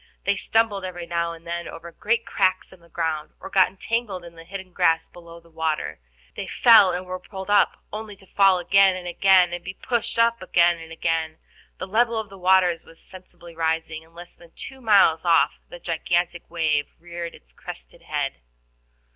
They stumbled every now and then over great cracks in the ground, or got entangled in the hidden grass below the water. They fell, and were pulled up only to fall again and again, and be pulled up again and again. The level of the waters was sensibly rising, and less than two miles off the gigantic wave reared its crested head.